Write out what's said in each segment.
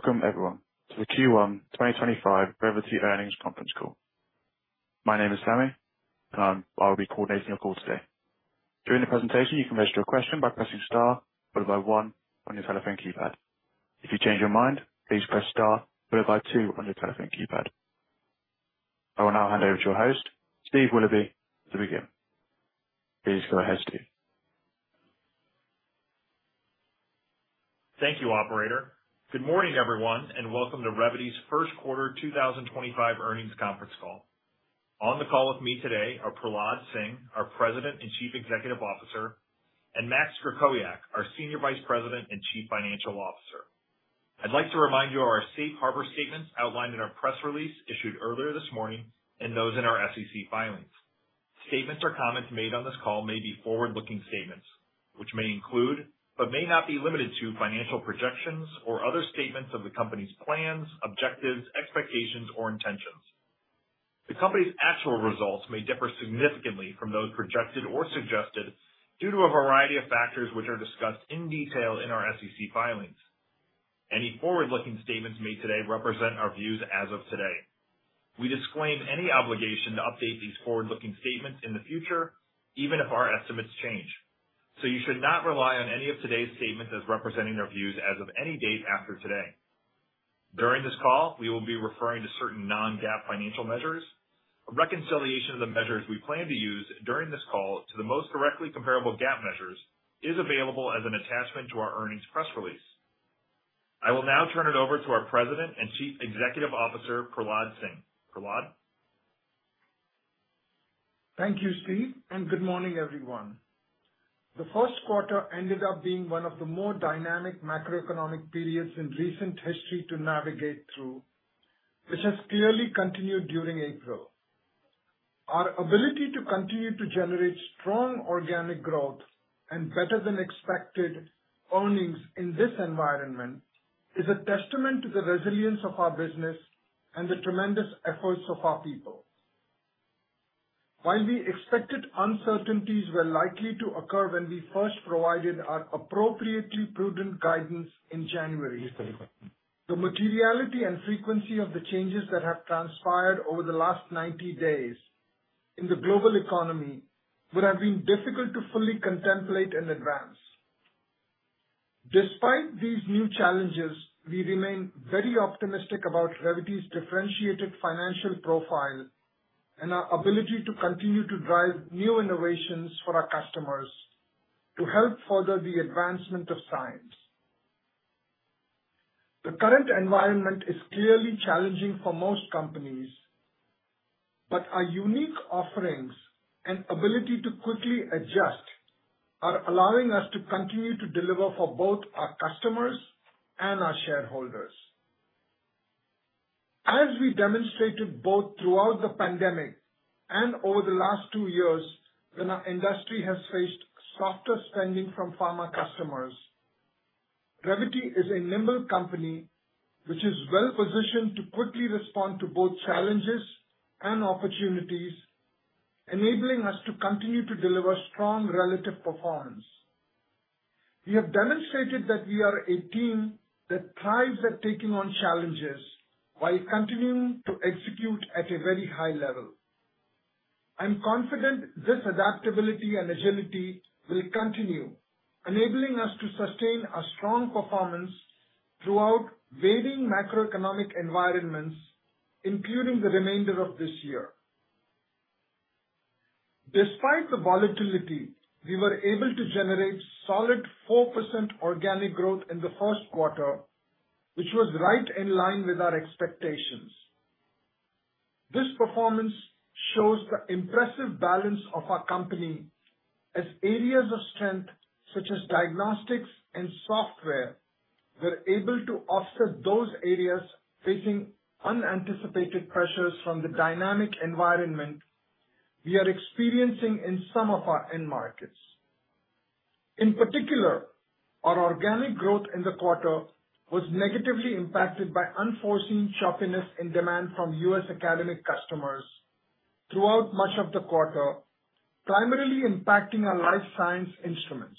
Welcome, everyone, to the Q1 2025 Revvity Earnings Conference Call. My name is Sammy, and I will be coordinating your call today. During the presentation, you can register a question by pressing Star followed by 1 on your telephone keypad. If you change your mind, please press Star followed by 2 on your telephone keypad. I will now hand over to your host, Steve Willoughby, to begin. Please go ahead, Steve. Thank you, Operator. Good morning, everyone, and welcome to Revvity's Q1 2025 Earnings Conference Call. On the call with me today are Prahlad Singh, our President and Chief Executive Officer, and Max Krakowiak, our Senior Vice President and Chief Financial Officer. I'd like to remind you of our Safe Harbor statements outlined in our press release issued earlier this morning and those in our SEC filings. Statements or comments made on this call may be forward-looking statements, which may include but may not be limited to financial projections or other statements of the company's plans, objectives, expectations, or intentions. The company's actual results may differ significantly from those projected or suggested due to a variety of factors which are discussed in detail in our SEC filings. Any forward-looking statements made today represent our views as of today. We disclaim any obligation to update these forward-looking statements in the future, even if our estimates change, so you should not rely on any of today's statements as representing our views as of any date after today. During this call, we will be referring to certain non-GAAP financial measures. A reconciliation of the measures we plan to use during this call to the most directly comparable GAAP measures is available as an attachment to our earnings press release. I will now turn it over to our President and Chief Executive Officer, Prahlad Singh. Prahlad? Thank you, Steve, and good morning, everyone. The Q1 ended up being one of the more dynamic macroeconomic periods in recent history to navigate through, which has clearly continued during April. Our ability to continue to generate strong organic growth and better-than-expected earnings in this environment is a testament to the resilience of our business and the tremendous efforts of our people. While we expected uncertainties were likely to occur when we first provided our appropriately prudent guidance in January, the materiality and frequency of the changes that have transpired over the last 90 days in the global economy would have been difficult to fully contemplate in advance. Despite these new challenges, we remain very optimistic about Revvity's differentiated financial profile and our ability to continue to drive new innovations for our customers to help further the advancement of science. The current environment is clearly challenging for most companies, but our unique offerings and ability to quickly adjust are allowing us to continue to deliver for both our customers and our shareholders. As we demonstrated both throughout the pandemic and over the last two years when our industry has faced softer spending from pharma customers, Revvity is a nimble company which is well-positioned to quickly respond to both challenges and opportunities, enabling us to continue to deliver strong relative performance. We have demonstrated that we are a team that thrives at taking on challenges while continuing to execute at a very high level. I'm confident this adaptability and agility will continue, enabling us to sustain our strong performance throughout varying macroeconomic environments, including the remainder of this year. Despite the volatility, we were able to generate solid 4% organic growth in the Q1, which was right in line with our expectations. This performance shows the impressive balance of our company as areas of strength, such as diagnostics and software, were able to offset those areas facing unanticipated pressures from the dynamic environment we are experiencing in some of our end markets. In particular, our organic growth in the quarter was negatively impacted by unforeseen choppiness in demand from U.S. academic customers throughout much of the quarter, primarily impacting our life science instruments.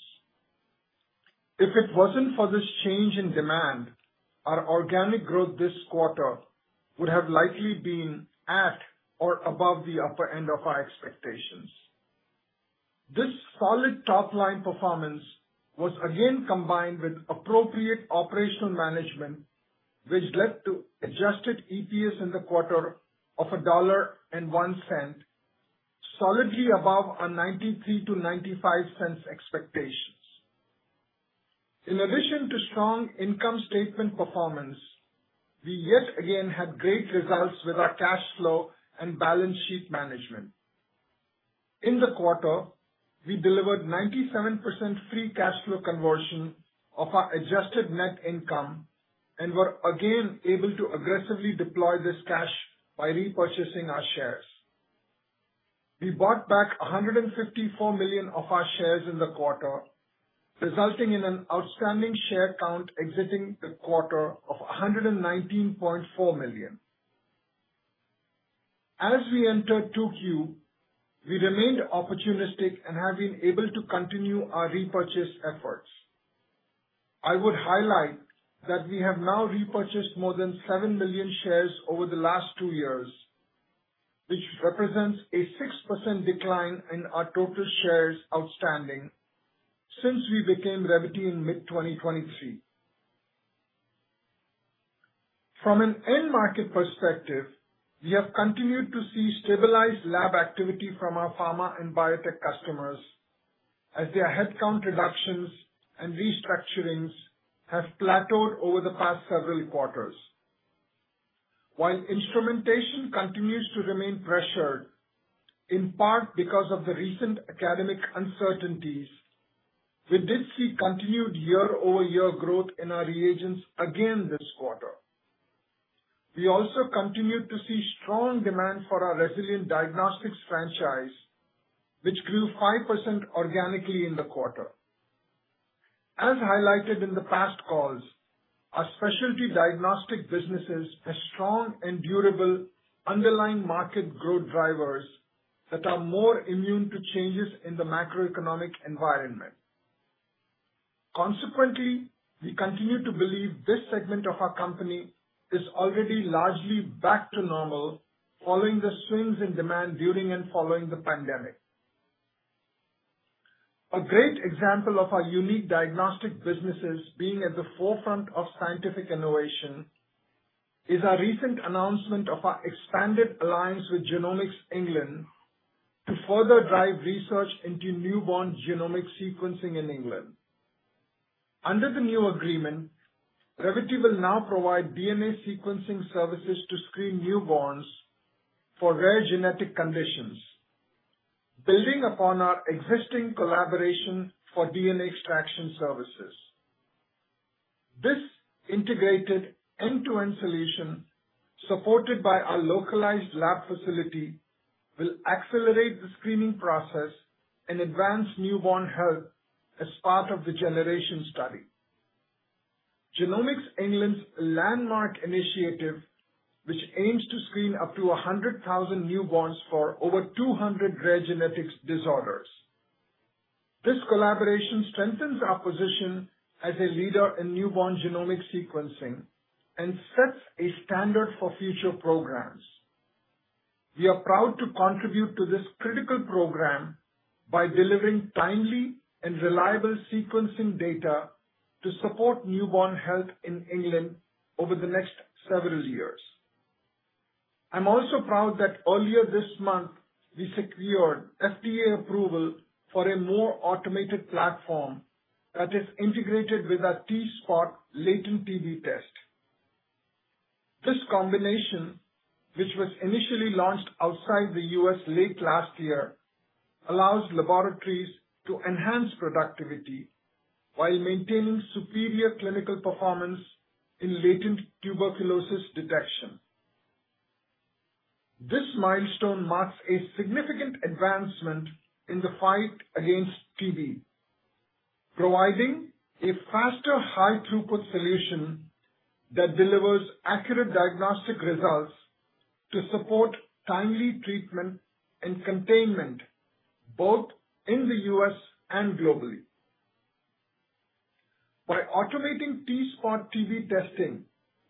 If it was not for this change in demand, our organic growth this quarter would have likely been at or above the upper end of our expectations. This solid top-line performance was again combined with appropriate operational management, which led to adjusted EPS in the quarter of $1.01, solidly above our $0.93-$0.95 expectations. In addition to strong income statement performance, we yet again had great results with our cash flow and balance sheet management. In the quarter, we delivered 97% free cash flow conversion of our adjusted net income and were again able to aggressively deploy this cash by repurchasing our shares. We bought back $154 million of our shares in the quarter, resulting in an outstanding share count exiting the quarter of 119.4 million. As we entered Q2, we remained opportunistic and have been able to continue our repurchase efforts. I would highlight that we have now repurchased more than 7 million shares over the last two years, which represents a 6% decline in our total shares outstanding since we became Revvity in mid-2023. From an end market perspective, we have continued to see stabilized lab activity from our pharma and biotech customers as their headcount reductions and restructurings have plateaued over the past several quarters. While instrumentation continues to remain pressured, in part because of the recent academic uncertainties, we did see continued year-over-year growth in our reagents again this quarter. We also continued to see strong demand for our resilient diagnostics franchise, which grew 5% organically in the quarter. As highlighted in the past calls, our specialty diagnostic businesses have strong and durable underlying market growth drivers that are more immune to changes in the macroeconomic environment. Consequently, we continue to believe this segment of our company is already largely back to normal following the swings in demand during and following the pandemic. A great example of our unique diagnostic businesses being at the forefront of scientific innovation is our recent announcement of our expanded alliance with Genomics England to further drive research into newborn genomic sequencing in England. Under the new agreement, Revvity will now provide DNA sequencing services to screen newborns for rare genetic conditions, building upon our existing collaboration for DNA extraction services. This integrated end-to-end solution, supported by our localized lab facility, will accelerate the screening process and advance newborn health as part of the generation study. Genomics England's landmark initiative, which aims to screen up to 100,000 newborns for over 200 rare genetic disorders, strengthens our position as a leader in newborn genomic sequencing and sets a standard for future programs. We are proud to contribute to this critical program by delivering timely and reliable sequencing data to support newborn health in England over the next several years. I'm also proud that earlier this month, we secured FDA approval for a more automated platform that is integrated with our T-SPOTt Latent TB Test. This combination, which was initially launched outside the U.S. late last year, allows laboratories to enhance productivity while maintaining superior clinical performance in latent tuberculosis detection. This milestone marks a significant advancement in the fight against TB, providing a faster high-throughput solution that delivers accurate diagnostic results to support timely treatment and containment both in the U.S. and globally. By automating T-SPOT TB testing,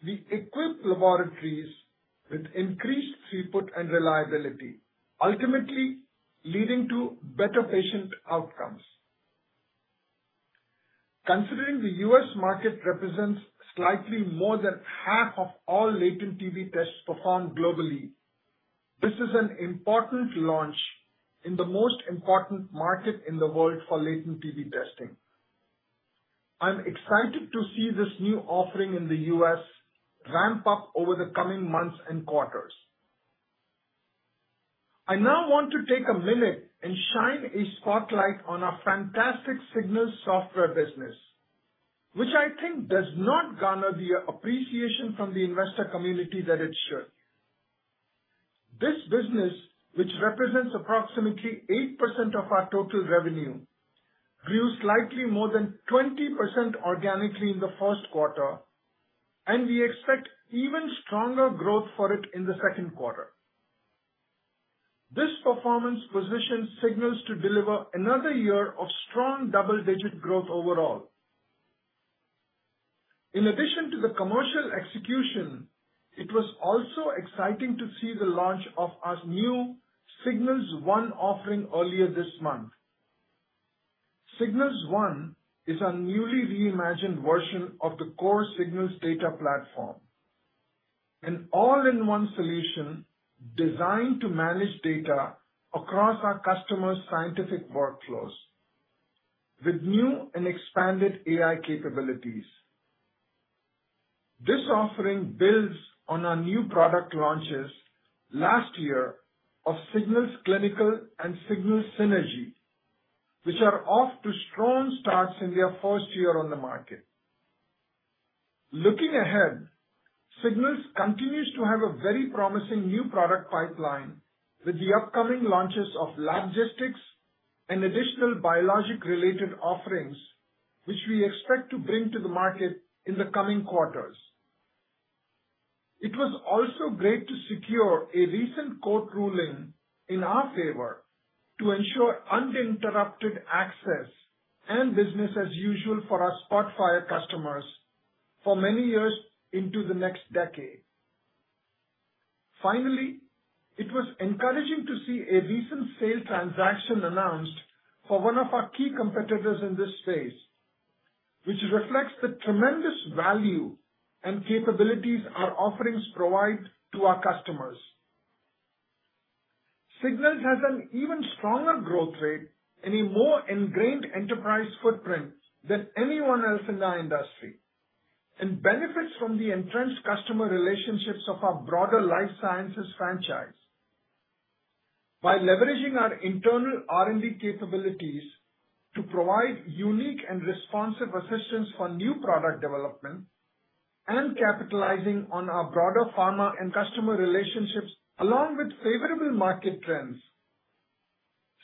we equip laboratories with increased throughput and reliability, ultimately leading to better patient outcomes. Considering the U.S. market represents slightly more than half of all latent TB tests performed globally, this is an important launch in the most important market in the world for latent TB testing. I'm excited to see this new offering in the U.S. ramp up over the coming months and quarters. I now want to take a minute and shine a spotlight on our fantastic Signals Software business, which I think does not garner the appreciation from the investor community that it should. This business, which represents approximately 8% of our total revenue, grew slightly more than 20% organically in the first Q1, and we expect even stronger growth for it in the Q2. This performance positions Signals to deliver another year of strong double-digit growth overall. In addition to the commercial execution, it was also exciting to see the launch of our new Signals One offering earlier this month. Signals One is a newly reimagined version of the core Signals data platform, an all-in-one solution designed to manage data across our customers' scientific workflows with new and expanded AI capabilities. This offering builds on our new product launches last year of Signals Clinical and Signals Synergy, which are off to strong starts in their first year on the market. Looking ahead, Signals continues to have a very promising new product pipeline with the upcoming launches of LabGistics and additional biologic-related offerings, which we expect to bring to the market in the coming quarters. It was also great to secure a recent court ruling in our favor to ensure uninterrupted access and business as usual for our Signals One customers for many years into the next decade. Finally, it was encouraging to see a recent sale transaction announced for one of our key competitors in this space, which reflects the tremendous value and capabilities our offerings provide to our customers. Signals has an even stronger growth rate and a more ingrained enterprise footprint than anyone else in our industry and benefits from the entrenched customer relationships of our broader life sciences franchise. By leveraging our internal R&D capabilities to provide unique and responsive assistance for new product development and capitalizing on our broader pharma and customer relationships along with favorable market trends,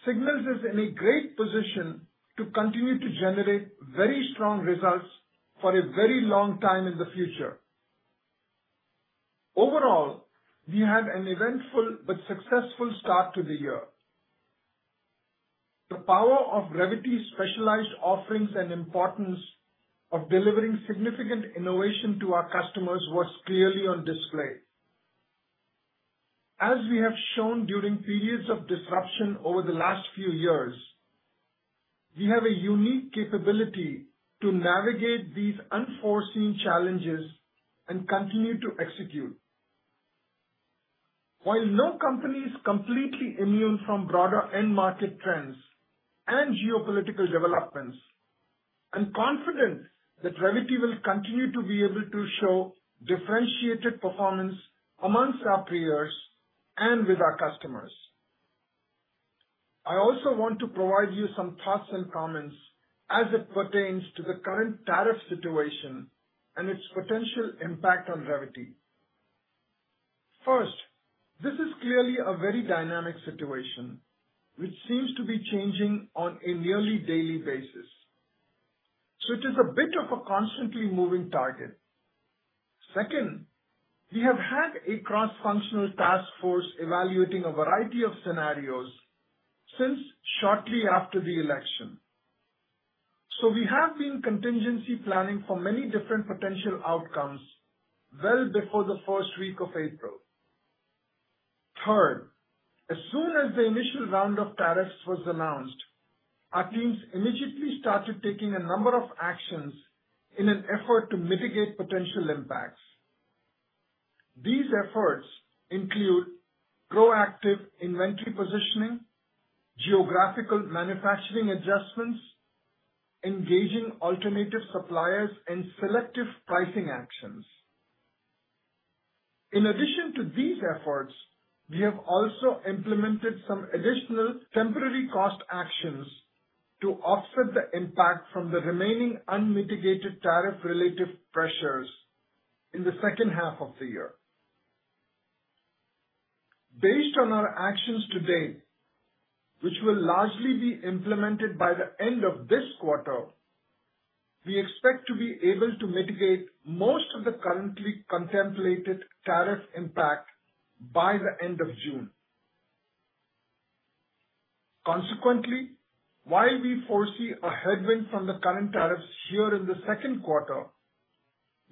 Signals is in a great position to continue to generate very strong results for a very long time in the future. Overall, we had an eventful but successful start to the year. The power of Revvity's specialized offerings and importance of delivering significant innovation to our customers was clearly on display. As we have shown during periods of disruption over the last few years, we have a unique capability to navigate these unforeseen challenges and continue to execute. While no company is completely immune from broader end market trends and geopolitical developments, I'm confident that Revvity will continue to be able to show differentiated performance amongst our peers and with our customers. I also want to provide you some thoughts and comments as it pertains to the current tariff situation and its potential impact on Revvity. First, this is clearly a very dynamic situation, which seems to be changing on a nearly daily basis. It is a bit of a constantly moving target. Second, we have had a cross-functional task force evaluating a variety of scenarios since shortly after the election. We have been contingency planning for many different potential outcomes well before the first week of April. Third, as soon as the initial round of tariffs was announced, our teams immediately started taking a number of actions in an effort to mitigate potential impacts. These efforts include proactive inventory positioning, geographical manufacturing adjustments, engaging alternative suppliers, and selective pricing actions. In addition to these efforts, we have also implemented some additional temporary cost actions to offset the impact from the remaining unmitigated tariff-related pressures in the second half of the year. Based on our actions to date, which will largely be implemented by the end of this quarter, we expect to be able to mitigate most of the currently contemplated tariff impact by the end of June. Consequently, while we foresee a headwind from the current tariffs here in the Q2,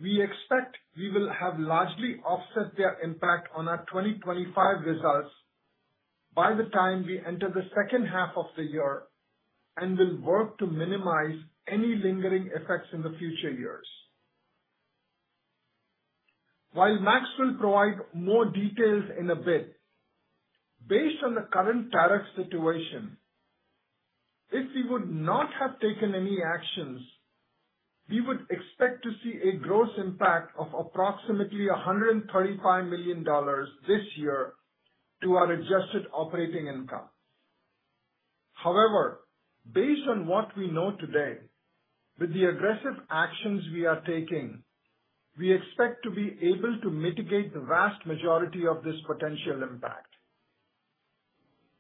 we expect we will have largely offset their impact on our 2025 results by the time we enter the second half of the year and will work to minimize any lingering effects in the future years. While Max will provide more details in a bit, based on the current tariff situation, if we would not have taken any actions, we would expect to see a gross impact of approximately $135 million this year to our adjusted operating income. However, based on what we know today, with the aggressive actions we are taking, we expect to be able to mitigate the vast majority of this potential impact.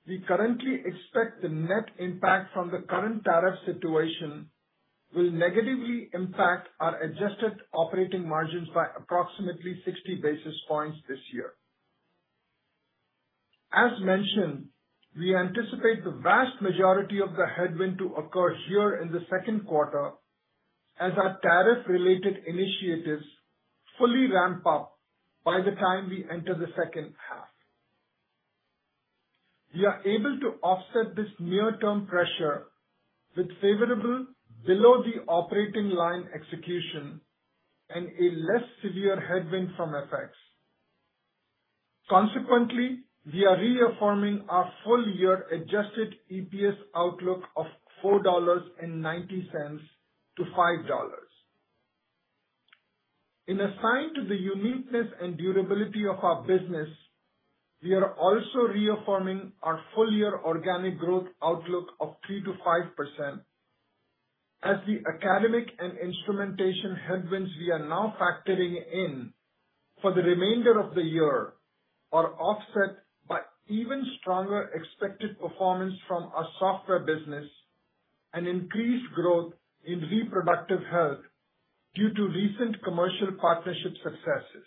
We currently expect the net impact from the current tariff situation will negatively impact our adjusted operating margins by approximately 60 basis points this year. As mentioned, we anticipate the vast majority of the headwind to occur here in the Q2 as our tariff-related initiatives fully ramp up by the time we enter the second half. We are able to offset this near-term pressure with favorable below-the-operating-line execution and a less severe headwind from FX. Consequently, we are reaffirming our full-year adjusted EPS outlook of $4.90-$5. In a sign to the uniqueness and durability of our business, we are also reaffirming our full-year organic growth outlook of 3%-5% as the academic and instrumentation headwinds we are now factoring in for the remainder of the year are offset by even stronger expected performance from our software business and increased growth in reproductive health due to recent commercial partnership successes.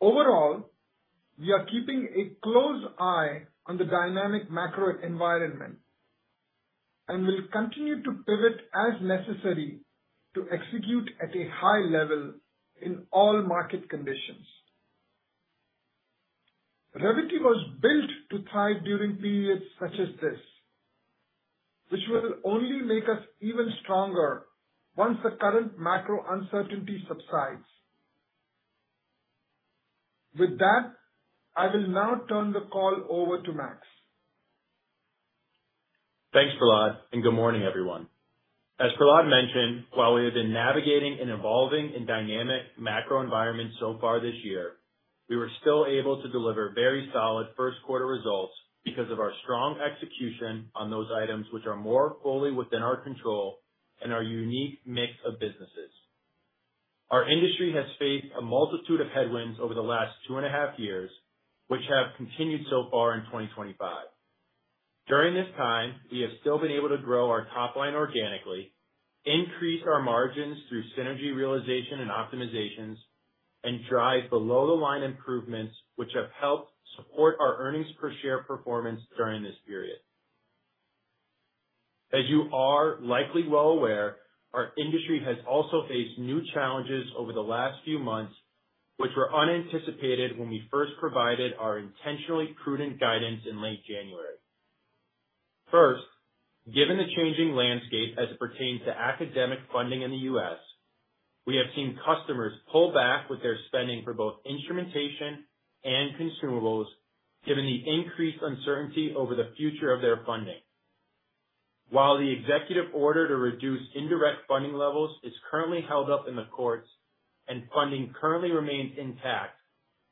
Overall, we are keeping a close eye on the dynamic macro environment and will continue to pivot as necessary to execute at a high level in all market conditions. Revvity was built to thrive during periods such as this, which will only make us even stronger once the current macro uncertainty subsides. With that, I will now turn the call over to Max. Thanks, Prahlad, and good morning, everyone. As Prahlad mentioned, while we have been navigating and evolving in dynamic macro environments so far this year, we were still able to deliver very solid Q1 results because of our strong execution on those items which are more fully within our control and our unique mix of businesses. Our industry has faced a multitude of headwinds over the last two and a half years, which have continued so far in 2025. During this time, we have still been able to grow our top line organically, increase our margins through synergy realization and optimizations, and drive below-the-line improvements, which have helped support our earnings per share performance during this period. As you are likely well aware, our industry has also faced new challenges over the last few months, which were unanticipated when we first provided our intentionally prudent guidance in late January. First, given the changing landscape as it pertains to academic funding in the U.S., we have seen customers pull back with their spending for both instrumentation and consumables, given the increased uncertainty over the future of their funding. While the executive order to reduce indirect funding levels is currently held up in the courts and funding currently remains intact,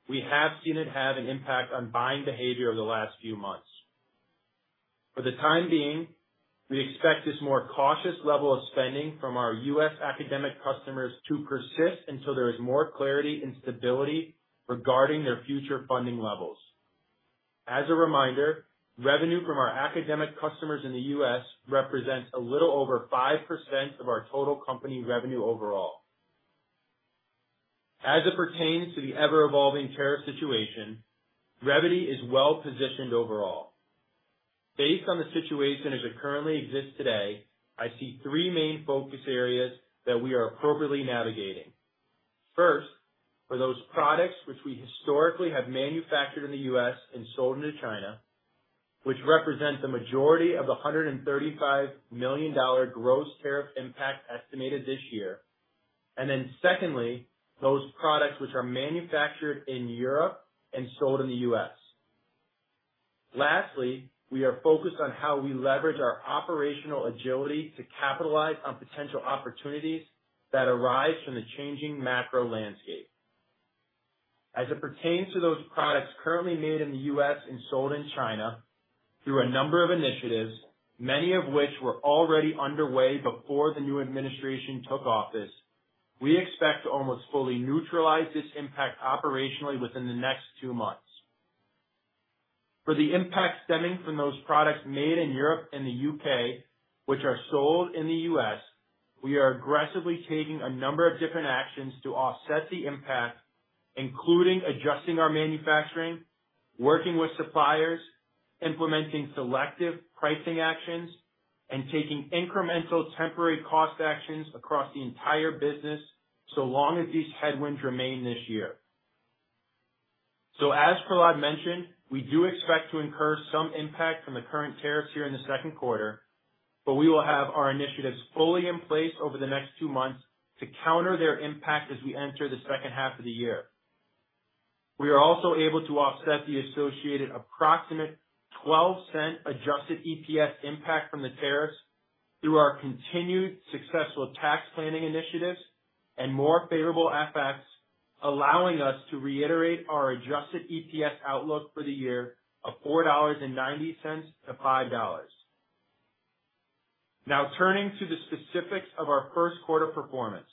we have seen it have an impact on buying behavior over the last few months. For the time being, we expect this more cautious level of spending from our U.S. academic customers to persist until there is more clarity and stability regarding their future funding levels. As a reminder, revenue from our academic customers in the U.S. represents a little over 5% of our total company revenue overall. As it pertains to the ever-evolving tariff situation, Revvity is well positioned overall. Based on the situation as it currently exists today, I see three main focus areas that we are appropriately navigating. First, for those products which we historically have manufactured in the U.S. and sold into China, which represent the majority of the $135 million gross tariff impact estimated this year. Then secondly, those products which are manufactured in Europe and sold in the U.S. Lastly, we are focused on how we leverage our operational agility to capitalize on potential opportunities that arise from the changing macro landscape. As it pertains to those products currently made in the U.S. and sold in China through a number of initiatives, many of which were already underway before the new administration took office, we expect to almost fully neutralize this impact operationally within the next two months. For the impact stemming from those products made in Europe and the U.K., which are sold in the U.S., we are aggressively taking a number of different actions to offset the impact, including adjusting our manufacturing, working with suppliers, implementing selective pricing actions, and taking incremental temporary cost actions across the entire business so long as these headwinds remain this year. As Prahlad mentioned, we do expect to incur some impact from the current tariffs here in the Q2, but we will have our initiatives fully in place over the next two months to counter their impact as we enter the second half of the year. We are also able to offset the associated approximate $0.12 adjusted EPS impact from the tariffs through our continued successful tax planning initiatives and more favorable effects, allowing us to reiterate our adjusted EPS outlook for the year of $4.90-$5. Now turning to the specifics of our Q1 performance.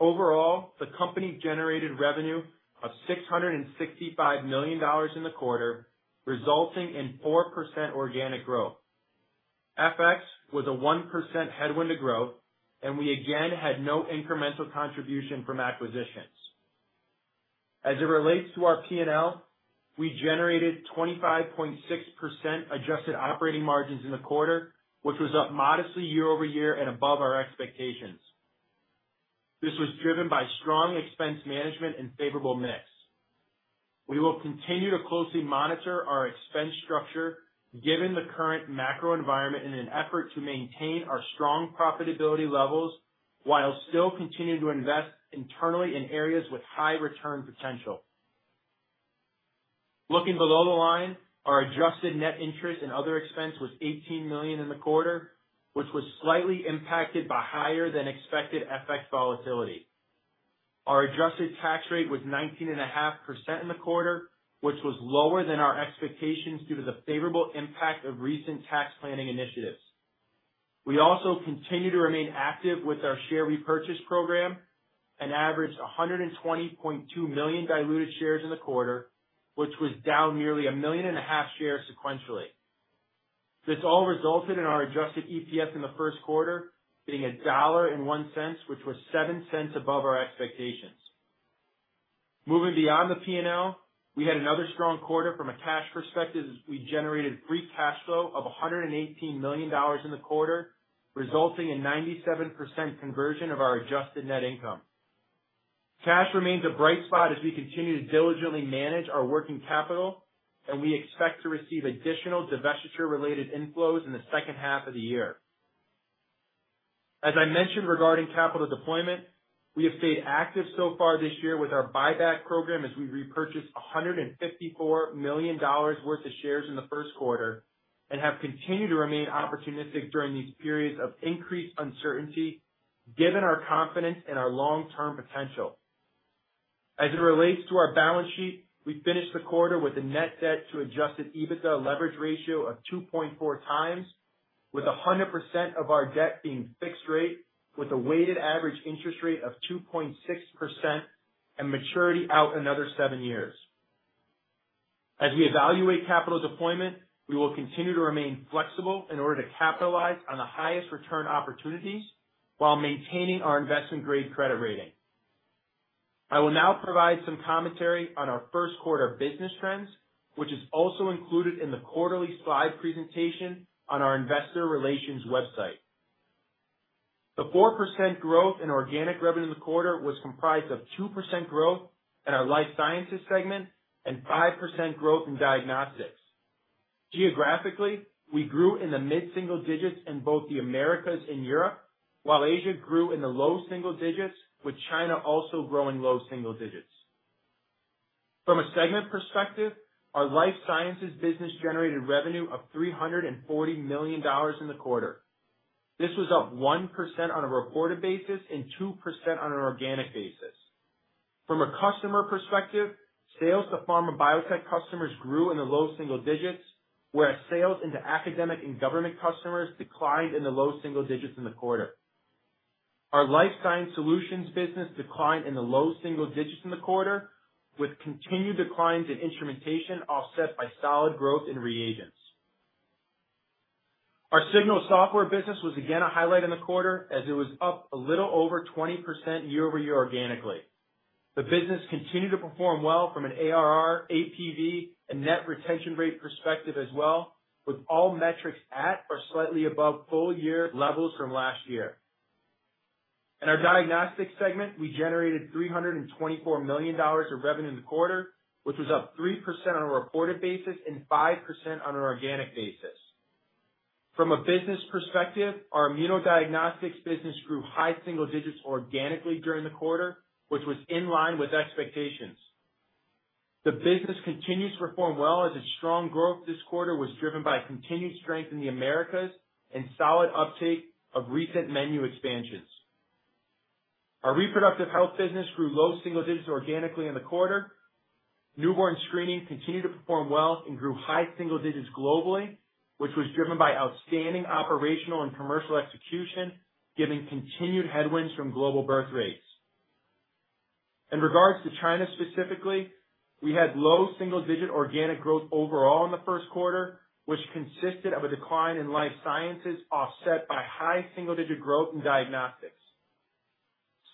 Overall, the company generated revenue of $665 million in the quarter, resulting in 4% organic growth. FX was a 1% headwind to growth, and we again had no incremental contribution from acquisitions. As it relates to our P&L, we generated 25.6% adjusted operating margins in the quarter, which was up modestly year over year and above our expectations. This was driven by strong expense management and favorable mix. We will continue to closely monitor our expense structure given the current macro environment in an effort to maintain our strong profitability levels while still continuing to invest internally in areas with high return potential. Looking below the line, our adjusted net interest and other expense was $18 million in the quarter, which was slightly impacted by higher than expected FX volatility. Our adjusted tax rate was 19.5% in the quarter, which was lower than our expectations due to the favorable impact of recent tax planning initiatives. We also continue to remain active with our share repurchase program and averaged 120.2 million diluted shares in the quarter, which was down nearly one and a half million shares sequentially. This all resulted in our adjusted EPS in the Q1being $1.01, which was 7 cents above our expectations. Moving beyond the P&L, we had another strong quarter from a cash perspective as we generated free cash flow of $118 million in the quarter, resulting in 97% conversion of our adjusted net income. Cash remains a bright spot as we continue to diligently manage our working capital, and we expect to receive additional divestiture-related inflows in the second half of the year. As I mentioned regarding capital deployment, we have stayed active so far this year with our buyback program as we repurchased $154 million worth of shares in the Q1 and have continued to remain opportunistic during these periods of increased uncertainty given our confidence in our long-term potential. As it relates to our balance sheet, we finished the quarter with a net debt to adjusted EBITDA leverage ratio of 2.4 times, with 100% of our debt being fixed rate with a weighted average interest rate of 2.6% and maturity out another seven years. As we evaluate capital deployment, we will continue to remain flexible in order to capitalize on the highest return opportunities while maintaining our investment-grade credit rating. I will now provide some commentary on our Q1 business trends, which is also included in the quarterly slide presentation on our investor relations website. The 4% growth in organic revenue in the quarter was comprised of 2% growth in our life sciences segment and 5% growth in diagnostics. Geographically, we grew in the mid-single digits in both the Americas and Europe, while Asia grew in the low single digits, with China also growing low single digits. From a segment perspective, our life sciences business generated revenue of $340 million in the quarter. This was up 1% on a reported basis and 2% on an organic basis. From a customer perspective, sales to pharma biotech customers grew in the low single digits, whereas sales into academic and government customers declined in the low single digits in the quarter. Our life science solutions business declined in the low single digits in the quarter, with continued declines in instrumentation offset by solid growth in reagents. Our Signals software business was again a highlight in the quarter as it was up a little over 20% year over year organically. The business continued to perform well from an ARR, APV, and net retention rate perspective as well, with all metrics at or slightly above full-year levels from last year. In our Diagnostics segment, we generated $324 million of revenue in the quarter, which was up 3% on a reported basis and 5% on an organic basis. From a business perspective, our immunodiagnostics business grew high single digits organically during the quarter, which was in line with expectations. The business continues to perform well as its strong growth this quarter was driven by continued strength in the Americas and solid uptake of recent menu expansions. Our reproductive health business grew low single digits organically in the quarter. Newborn screening continued to perform well and grew high single digits globally, which was driven by outstanding operational and commercial execution, given continued headwinds from global birth rates. In regards to China specifically, we had low single-digit organic growth overall in the Q1, which consisted of a decline in life sciences offset by high single-digit growth in diagnostics.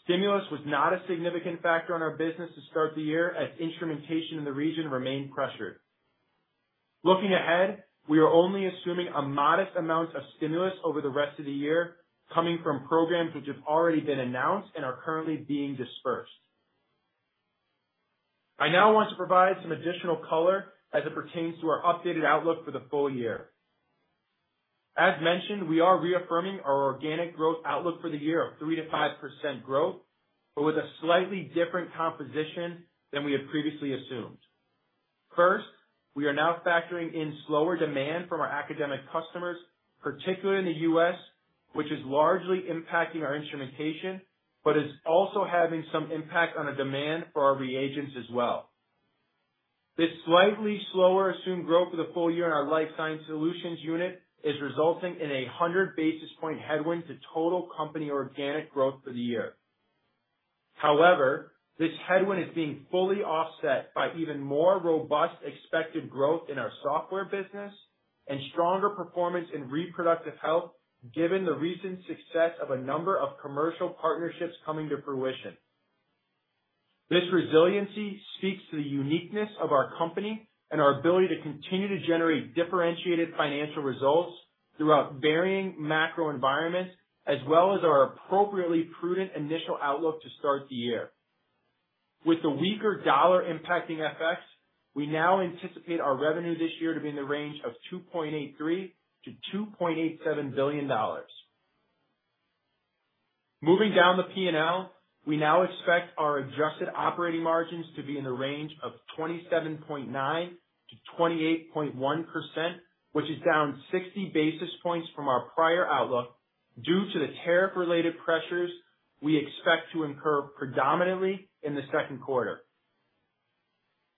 Stimulus was not a significant factor on our business to start the year as instrumentation in the region remained pressured. Looking ahead, we are only assuming a modest amount of stimulus over the rest of the year coming from programs which have already been announced and are currently being dispersed. I now want to provide some additional color as it pertains to our updated outlook for the full year. As mentioned, we are reaffirming our organic growth outlook for the year of 3-5% growth, but with a slightly different composition than we had previously assumed. First, we are now factoring in slower demand from our academic customers, particularly in the U.S., which is largely impacting our instrumentation, but is also having some impact on the demand for our reagents as well. This slightly slower assumed growth for the full year in our life science solutions unit is resulting in a 100 basis point headwind to total company organic growth for the year. However, this headwind is being fully offset by even more robust expected growth in our software business and stronger performance in reproductive health given the recent success of a number of commercial partnerships coming to fruition. This resiliency speaks to the uniqueness of our company and our ability to continue to generate differentiated financial results throughout varying macro environments as well as our appropriately prudent initial outlook to start the year. With the weaker dollar impacting FX, we now anticipate our revenue this year to be in the range of $2.83 billion-$2.87 billion. Moving down the P&L, we now expect our adjusted operating margins to be in the range of 27.9%-28.1%, which is down 60 basis points from our prior outlook due to the tariff-related pressures we expect to incur predominantly in the Q2.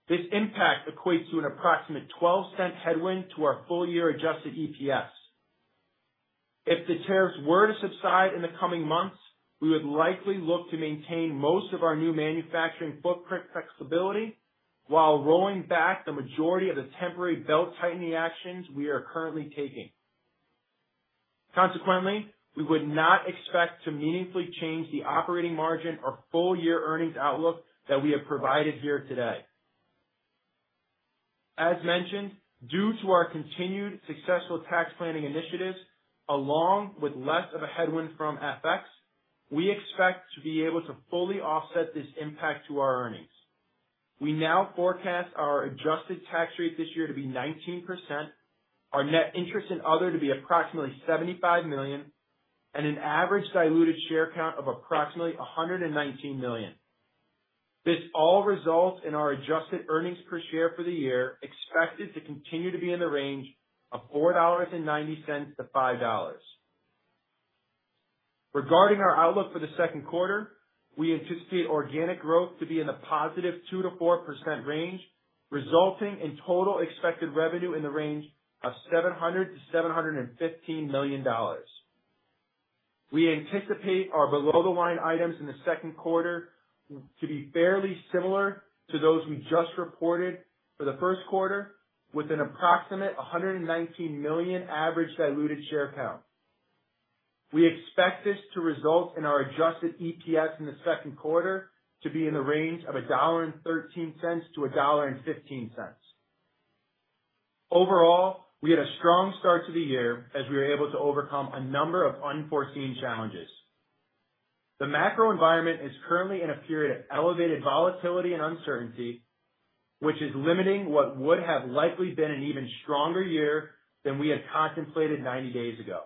This impact equates to an approximate $0.12 headwind to our full year adjusted EPS. If the tariffs were to subside in the coming months, we would likely look to maintain most of our new manufacturing footprint flexibility while rolling back the majority of the temporary belt-tightening actions we are currently taking. Consequently, we would not expect to meaningfully change the operating margin or full-year earnings outlook that we have provided here today. As mentioned, due to our continued successful tax planning initiatives, along with less of a headwind from FX, we expect to be able to fully offset this impact to our earnings. We now forecast our adjusted tax rate this year to be 19%, our net interest and other to be approximately $75 million, and an average diluted share count of approximately 119 million. This all results in our adjusted earnings per share for the year expected to continue to be in the range of $4.90-$5. Regarding our outlook for the Q2, we anticipate organic growth to be in the positive 2-4% range, resulting in total expected revenue in the range of $700-$715 million. We anticipate our below-the-line items in the Q2 to be fairly similar to those we just reported for the Q1, with an approximate $119 million average diluted share count. We expect this to result in our adjusted EPS in the Q2 to be in the range of $1.13-$1.15. Overall, we had a strong start to the year as we were able to overcome a number of unforeseen challenges. The macro environment is currently in a period of elevated volatility and uncertainty, which is limiting what would have likely been an even stronger year than we had contemplated 90 days ago.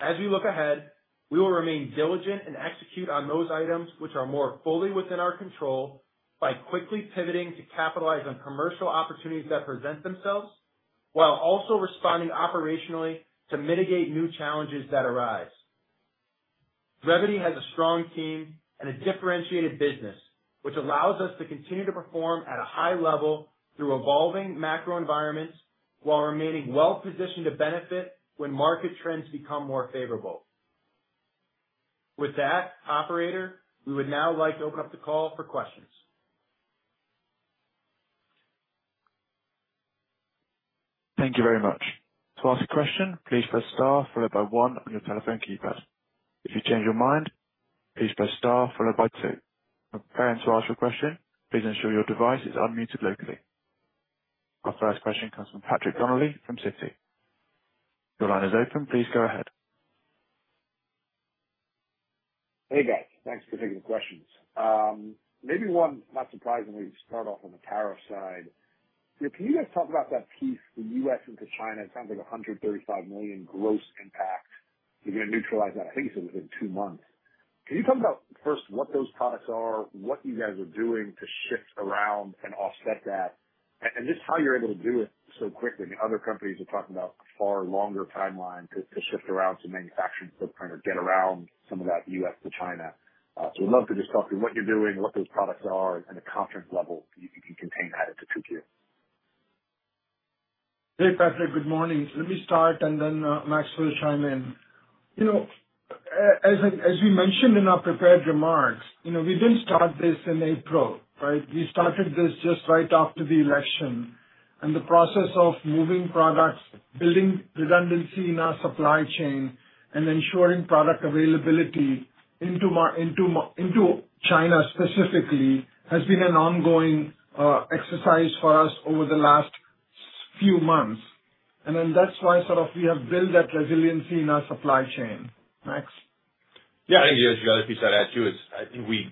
As we look ahead, we will remain diligent and execute on those items which are more fully within our control by quickly pivoting to capitalize on commercial opportunities that present themselves, while also responding operationally to mitigate new challenges that arise. Revvity has a strong team and a differentiated business, which allows us to continue to perform at a high level through evolving macro environments while remaining well-positioned to benefit when market trends become more favorable. With that, operator, we would now like to open up the call for questions. Thank you very much. To ask a question, please press star followed by one on your telephone keypad. If you change your mind, please press star followed by two. Preparing to ask your question, please ensure your device is unmuted locally. Our first question comes from Patrick Donnelly from Citi. Your line is open. Please go ahead. Hey, guys. Thanks for taking the questions. Maybe one, not surprisingly, we start off on the tariff side. Can you guys talk about that piece, the US into China? It sounds like $135 million gross impact. You're going to neutralize that, I think you said, within two months. Can you talk about first what those products are, what you guys are doing to shift around and offset that, and just how you're able to do it so quickly? Other companies are talking about a far longer timeline to shift around some manufacturing footprint or get around some of that US to China. So, we'd love to just talk through what you're doing, what those products are, and the confidence level you can contain that into 2Q. Hey, Patrick, good morning. Let me start and then Max will chime in. As we mentioned in our prepared remarks, we did not start this in April, right? We started this just right after the election, and the process of moving products, building redundancy in our supply chain, and ensuring product availability into China specifically has been an ongoing exercise for us over the last few months. That is why we have built that resiliency in our supply chain. Max? Yeah, I think the other piece I'd add too is I think we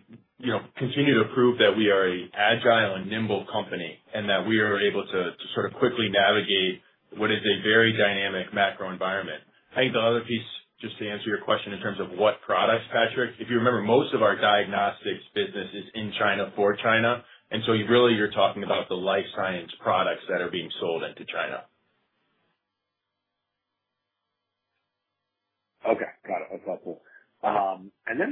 continue to prove that we are an agile and nimble company and that we are able to sort of quickly navigate what is a very dynamic macro environment. I think the other piece, just to answer your question in terms of what products, Patrick, if you remember, most of our diagnostics business is in China for China, and so really, you're talking about the life science products that are being sold into China. Okay. Got it. That's helpful.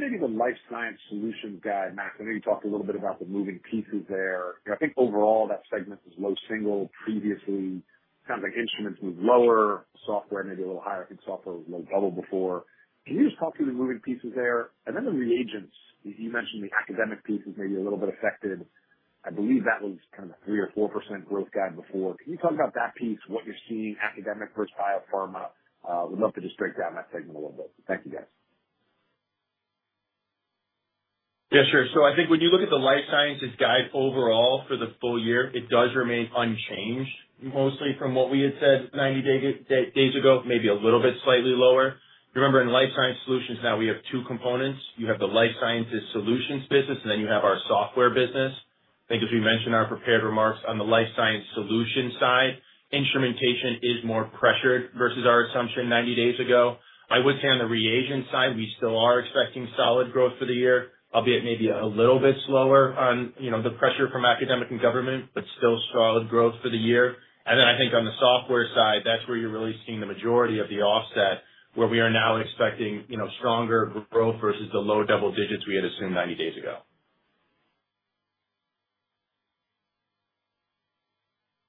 Maybe the life science solutions guide, Max, I know you talked a little bit about the moving pieces there. I think overall that segment was low single previously. It sounds like instruments was lower, software maybe a little higher. I think software was low double before. Can you just talk through the moving pieces there? The reagents, you mentioned the academic piece was maybe a little bit affected. I believe that was kind of a 3% or 4% growth guide before. Can you talk about that piece, what you're seeing, academic versus biopharma? We'd love to just break down that segment a little bit. Thank you, guys. Yeah, sure. I think when you look at the life sciences guide overall for the full year, it does remain unchanged, mostly from what we had said 90 days ago, maybe a little bit slightly lower. Remember, in life science solutions now, we have two components. You have the life sciences solutions business, and then you have our software business. I think as we mentioned in our prepared remarks on the life science solution side, instrumentation is more pressured versus our assumption 90 days ago. I would say on the reagent side, we still are expecting solid growth for the year, albeit maybe a little bit slower on the pressure from academic and government, but still solid growth for the year. I think on the software side, that's where you're really seeing the majority of the offset, where we are now expecting stronger growth versus the low double digits we had assumed 90 days ago.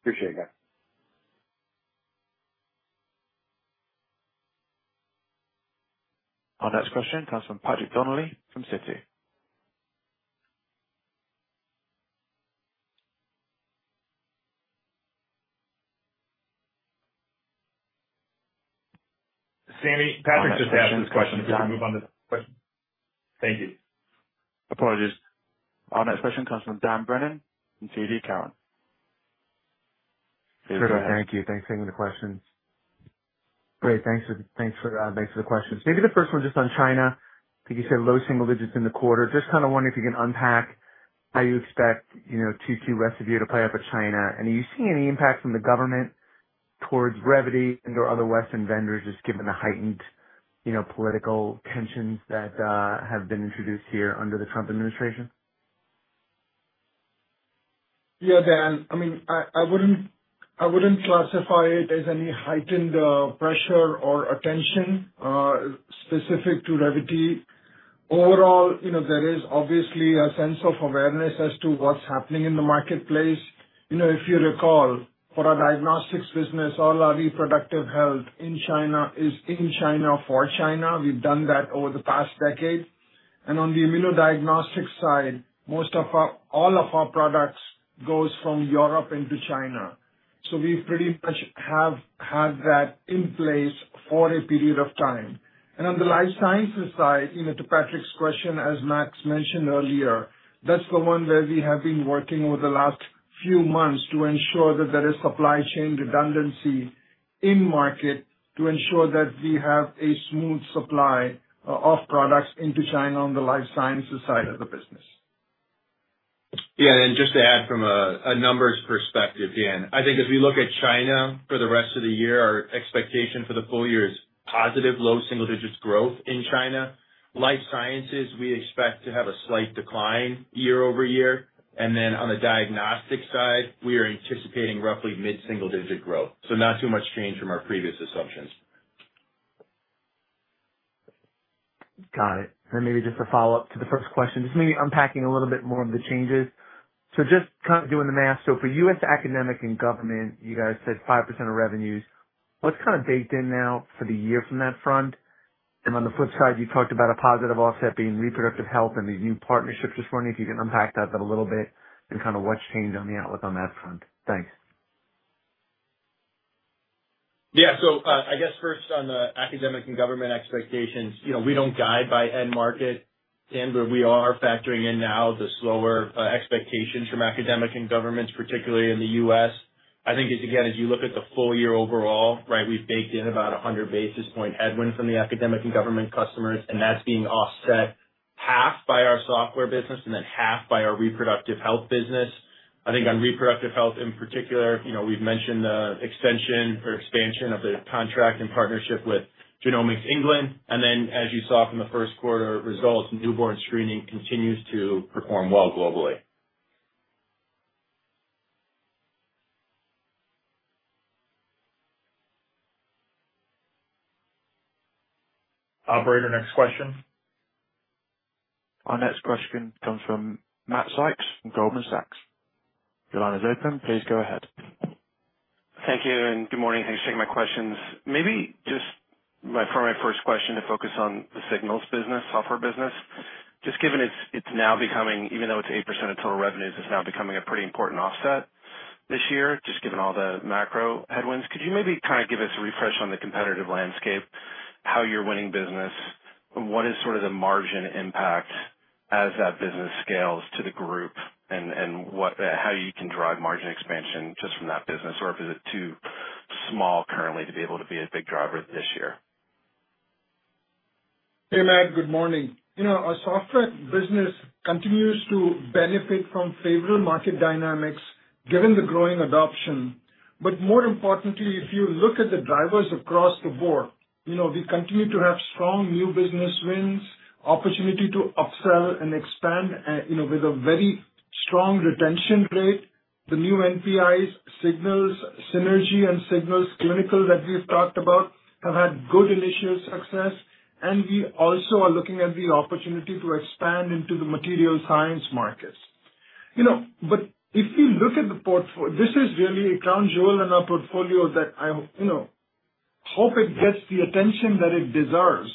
Appreciate it, guys. Our next question comes from Patrick Donnelly from Citi. Sammy, Patrick just asked this question. Can you move on to the next question? Thank you. Apologies. Our next question comes from Dan Brennan from TD Cowen. Thank you. Thanks for taking the questions. Great. Thanks for the questions. Maybe the first one just on China. I think you said low single digits in the quarter. Just kind of wondering if you can unpack how you expect Q2, rest of year to play out for China. Are you seeing any impact from the government towards Revvity and/or other Western vendors just given the heightened political tensions that have been introduced here under the Trump administration? Yeah, Dan. I mean, I wouldn't classify it as any heightened pressure or attention specific to Revvity. Overall, there is obviously a sense of awareness as to what's happening in the marketplace. If you recall, for our diagnostics business, all our reproductive health in China is in China for China. We've done that over the past decade. On the immunodiagnostics side, all of our products go from Europe into China. We pretty much have that in place for a period of time. On the life sciences side, to Patrick's question, as Max mentioned earlier, that's the one where we have been working over the last few months to ensure that there is supply chain redundancy in market to ensure that we have a smooth supply of products into China on the life sciences side of the business. Yeah. Just to add from a numbers perspective, Dan, I think as we look at China for the rest of the year, our expectation for the full year is positive, low single digits growth in China. Life sciences, we expect to have a slight decline year over year. On the diagnostic side, we are anticipating roughly mid-single digit growth. Not too much change from our previous assumptions. Got it. Maybe just a follow-up to the first question, just maybe unpacking a little bit more of the changes. Just kind of doing the math. For US academic and government, you guys said 5% of revenues. What's kind of baked in now for the year from that front? On the flip side, you talked about a positive offset being reproductive health and these new partnerships this morning. If you can unpack that a little bit and kind of what's changed on the outlook on that front. Thanks. Yeah. I guess first on the academic and government expectations, we do not guide by end market. Sandra, we are factoring in now the slower expectations from academic and governments, particularly in the U.S. I think, again, as you look at the full year overall, right, we have baked in about 100 basis point headwind from the academic and government customers, and that is being offset half by our software business and then half by our reproductive health business. I think on reproductive health in particular, we have mentioned the extension or expansion of the contract and partnership with Genomics England. As you saw from the Q1 results, newborn screening continues to perform well globally. Operator, next question. Our next question comes from Matt Sykes from Goldman Sachs. Your line is open. Please go ahead. Thank you and good morning. Thanks for taking my questions. Maybe just for my first question to focus on the Signals business, software business. Just given it's now becoming, even though it's 8% of total revenues, it's now becoming a pretty important offset this year, just given all the macro headwinds. Could you maybe kind of give us a refresh on the competitive landscape, how you're winning business, and what is sort of the margin impact as that business scales to the group and how you can drive margin expansion just from that business? Or is it too small currently to be able to be a big driver this year? Hey, Matt, good morning. Our software business continues to benefit from favorable market dynamics given the growing adoption. More importantly, if you look at the drivers across the board, we continue to have strong new business wins, opportunity to upsell and expand with a very strong retention rate. The new NPIs, Signals, Synergy, and Signals Clinical that we've talked about have had good initial success, and we also are looking at the opportunity to expand into the material science markets. If you look at the portfolio, this is really a crown jewel in our portfolio that I hope it gets the attention that it deserves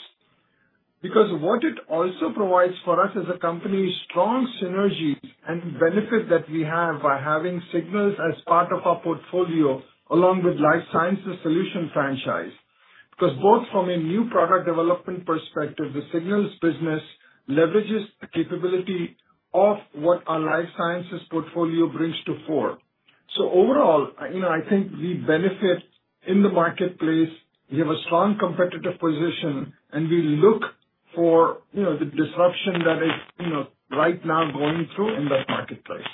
because what it also provides for us as a company, strong synergies and benefits that we have by having Signals as part of our portfolio along with life sciences solution franchise. Because both from a new product development perspective, the Signals business leverages the capability of what our life sciences portfolio brings to fore. Overall, I think we benefit in the marketplace. We have a strong competitive position, and we look for the disruption that is right now going through in that marketplace.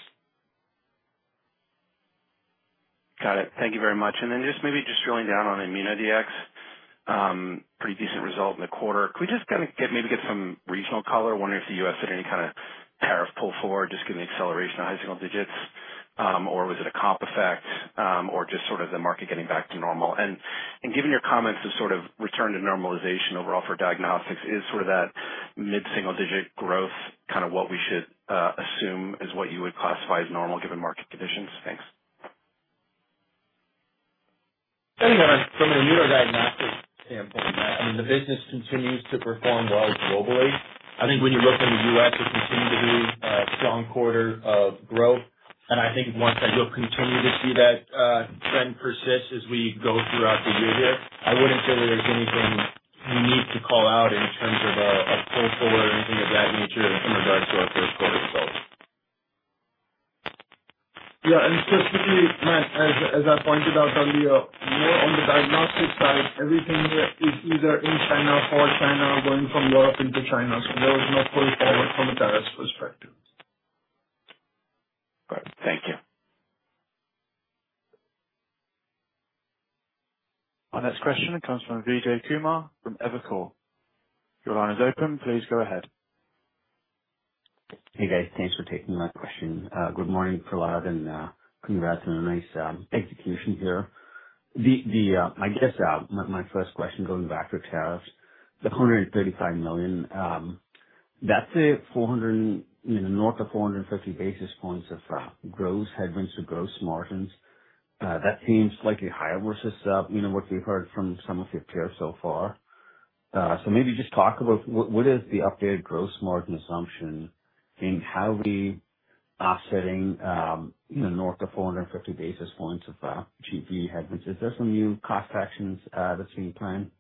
Got it. Thank you very much. Maybe just drilling down on ImmunityX, pretty decent result in the quarter. Can we just kind of maybe get some regional color? Wondering if the U.S. had any kind of tariff pull forward, just given the acceleration of high single digits, or was it a comp effect, or just sort of the market getting back to normal? Given your comments of sort of return to normalization overall for diagnostics, is sort of that mid-single digit growth kind of what we should assume is what you would classify as normal given market conditions? Thanks. From an immunodiagnostic standpoint, I mean, the business continues to perform well globally. I think when you look in the U.S., it continued to do a strong quarter of growth. I think once I will continue to see that trend persist as we go throughout the year here, I would not say there is anything unique to call out in terms of a pull forward or anything of that nature in regards to our Q1 results. Yeah. Specifically, as I pointed out earlier, more on the diagnostic side, everything is either in China for China or going from Europe into China. There was no pull forward from a tariff perspective. Great. Thank you. Our next question comes from Vijay Kumar from Evercore ISI. Your line is open. Please go ahead. Hey, guys. Thanks for taking my question. Good morning, Prahlad, and congrats on a nice execution here. I guess my first question going back to tariffs, the $135 million, that's north of 450 basis points of headwinds to gross margins. That seems slightly higher versus what we've heard from some of your peers so far. Maybe just talk about what is the updated gross margin assumption in how we are offsetting north of 450 basis points of GP headwinds? Is there some new cost actions that's being planned?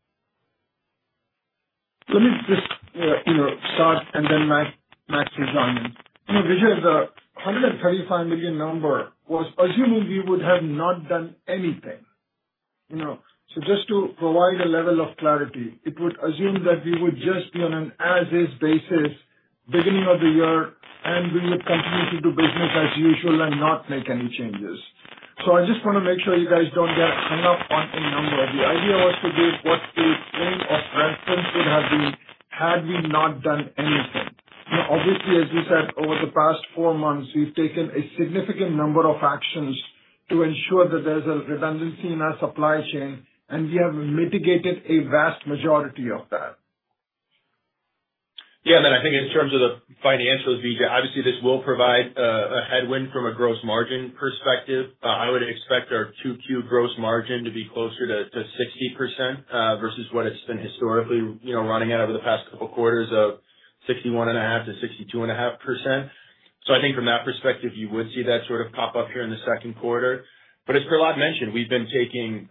Let me just start, and then Max will join in. Vijay, the $135 million number was assuming we would have not done anything. Just to provide a level of clarity, it would assume that we would just be on an as-is basis beginning of the year, and we would continue to do business as usual and not make any changes. I just want to make sure you guys do not get hung up on a number. The idea was to give what the frame of reference would have been had we not done anything. Obviously, as you said, over the past four months, we have taken a significant number of actions to ensure that there is a redundancy in our supply chain, and we have mitigated a vast majority of that. Yeah. I think in terms of the financials, Vijay, obviously this will provide a headwind from a gross margin perspective. I would expect our Q2 gross margin to be closer to 60% versus what it has been historically running at over the past couple of quarters of 61.5-62.5%. I think from that perspective, you would see that sort of pop up here in the Q2. As Prahlad mentioned, we have been taking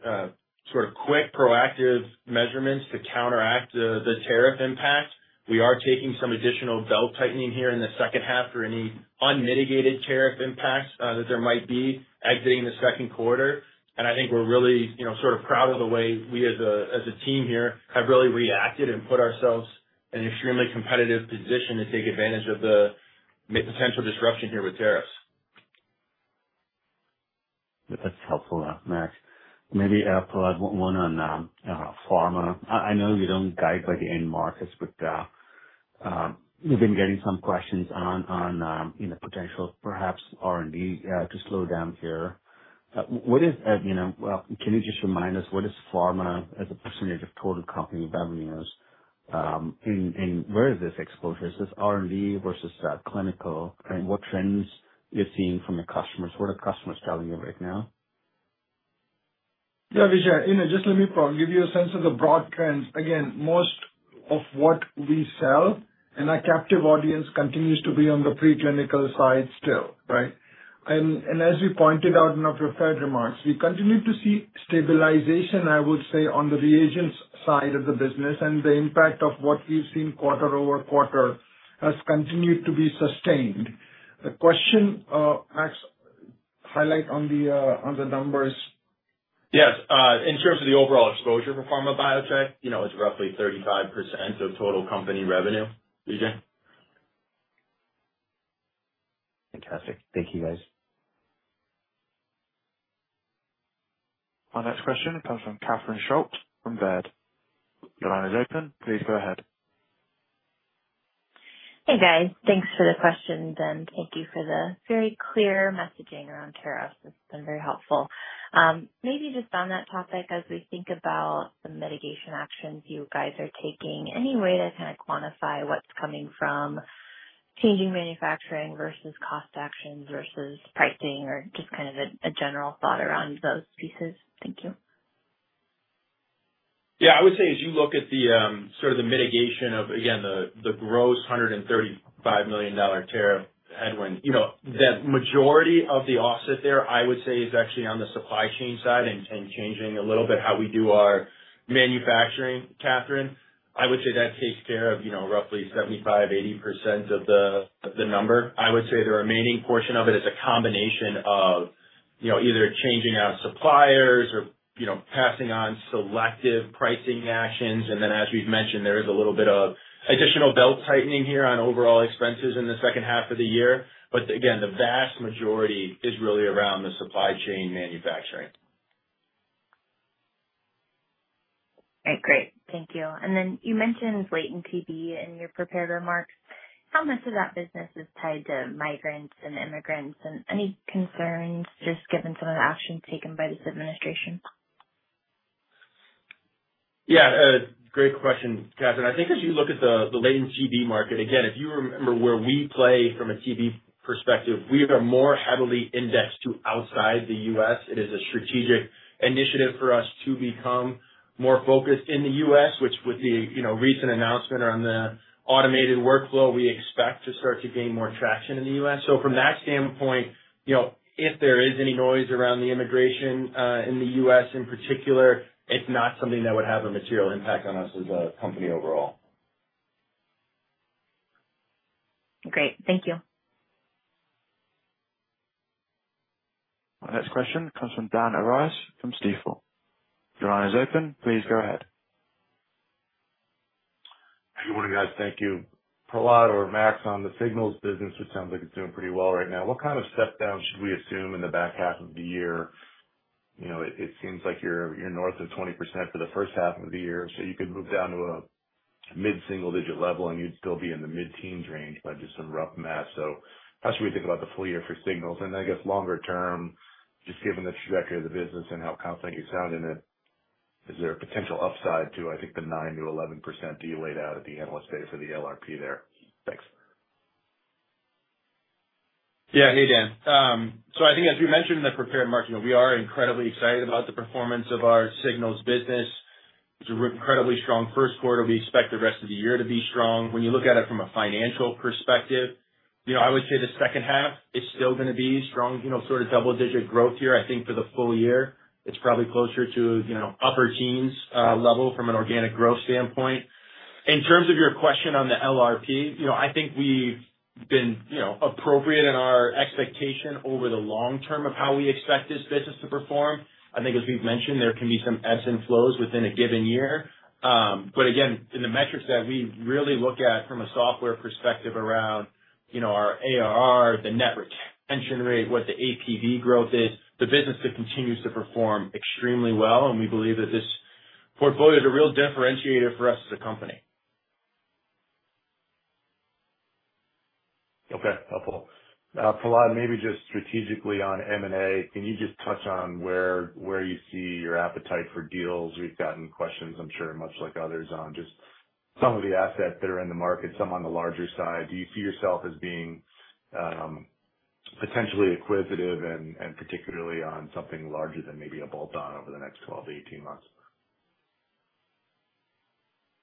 quick, proactive measurements to counteract the tariff impact. We are taking some additional belt tightening here in the second half for any unmitigated tariff impacts that there might be exiting the Q2. I think we are really proud of the way we as a team here have really reacted and put ourselves in an extremely competitive position to take advantage of the potential disruption here with tariffs. That's helpful, Max. Maybe Prahlad, one on pharma. I know you don't guide by the end markets, but we've been getting some questions on the potential, perhaps, R&D to slow down here. Can you just remind us what is pharma as a percentage of total company revenues? And where is this exposure? Is this R&D versus clinical? And what trends you're seeing from your customers? What are customers telling you right now? Yeah, Vijay, just let me give you a sense of the broad trends. Again, most of what we sell and our captive audience continues to be on the preclinical side still, right? As we pointed out in our prepared remarks, we continue to see stabilization, I would say, on the reagents side of the business, and the impact of what we've seen quarter over quarter has continued to be sustained. The question, Max, highlight on the numbers. Yes. In terms of the overall exposure for pharma biotech, it's roughly 35% of total company revenue, Vijay. Fantastic. Thank you, guys. Our next question comes from Catherine Schulte from Baird. Your line is open. Please go ahead. Hey, guys. Thanks for the questions, and thank you for the very clear messaging around tariffs. It has been very helpful. Maybe just on that topic, as we think about the mitigation actions you guys are taking, any way to kind of quantify what is coming from changing manufacturing versus cost actions versus pricing, or just kind of a general thought around those pieces? Thank you. Yeah. I would say as you look at sort of the mitigation of, again, the gross $135 million tariff headwind, the majority of the offset there, I would say, is actually on the supply chain side and changing a little bit how we do our manufacturing, Catherine. I would say that takes care of roughly 75-80% of the number. I would say the remaining portion of it is a combination of either changing our suppliers or passing on selective pricing actions. As we have mentioned, there is a little bit of additional belt tightening here on overall expenses in the second half of the year. Again, the vast majority is really around the supply chain manufacturing. All right. Great. Thank you. You mentioned latent TB in your prepared remarks. How much of that business is tied to migrants and immigrants? Any concerns just given some of the actions taken by this administration? Yeah. Great question, Catherine. I think as you look at the latent TB market, again, if you remember where we play from a TB perspective, we are more heavily indexed to outside the U.S. It is a strategic initiative for us to become more focused in the U.S., which with the recent announcement on the automated workflow, we expect to start to gain more traction in the U.S. From that standpoint, if there is any noise around the immigration in the U.S. in particular, it's not something that would have a material impact on us as a company overall. Great. Thank you. Our next question comes from Dan Arias from Stifel. Your line is open. Please go ahead. Hey, good morning, guys. Thank you. Prahlad or Max on the Signals business, which sounds like it's doing pretty well right now. What kind of step down should we assume in the back half of the year? It seems like you're north of 20% for the first half of the year. You could move down to a mid-single digit level, and you'd still be in the mid-teens range by just some rough math. How should we think about the full year for Signals? I guess longer term, just given the trajectory of the business and how confident you sound in it, is there a potential upside to, I think, the 9-11% that you laid out at the Analyst Day for the LRP there? Thanks. Yeah. Hey, Dan. I think, as we mentioned in the prepared remarks, we are incredibly excited about the performance of our Signals business. It's an incredibly strong Q1. We expect the rest of the year to be strong. When you look at it from a financial perspective, I would say the second half is still going to be strong, sort of double-digit growth here. I think for the full year, it's probably closer to upper teens level from an organic growth standpoint. In terms of your question on the LRP, I think we've been appropriate in our expectation over the long term of how we expect this business to perform. I think, as we've mentioned, there can be some ebbs and flows within a given year. Again, in the metrics that we really look at from a software perspective around our ARR, the net retention rate, what the APV growth is, the business continues to perform extremely well. We believe that this portfolio is a real differentiator for us as a company. Okay. Helpful. Prahlad, maybe just strategically on M&A, can you just touch on where you see your appetite for deals? We've gotten questions, I'm sure, much like others, on just some of the assets that are in the market, some on the larger side. Do you see yourself as being potentially acquisitive and particularly on something larger than maybe a bolt-on over the next 12 to 18 months?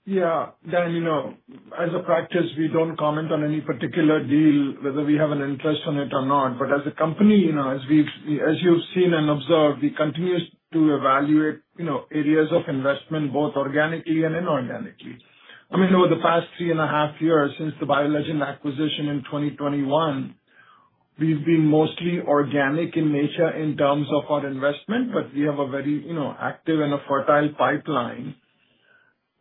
Yeah. Dan, as a practice, we do not comment on any particular deal, whether we have an interest in it or not. As a company, as you have seen and observed, we continue to evaluate areas of investment both organically and inorganically. I mean, over the past three and a half years since the BioLegend acquisition in 2021, we have been mostly organic in nature in terms of our investment, but we have a very active and a fertile pipeline.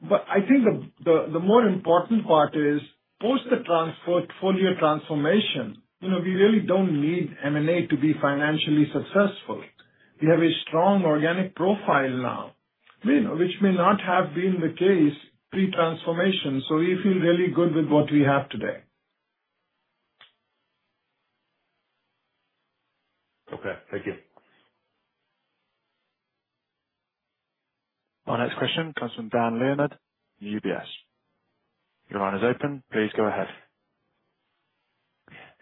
I think the more important part is post the portfolio transformation, we really do not need M&A to be financially successful. We have a strong organic profile now, which may not have been the case pre-transformation. We feel really good with what we have today. Okay. Thank you. Our next question comes from Dan Leonard from UBS. Your line is open. Please go ahead.